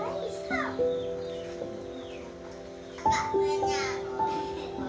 bagong menegakkan yang sudah terselenggar